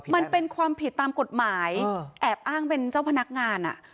มันเป็นความผิดตามกฎหมายแอบอ้างเป็นเจ้าพนักงาน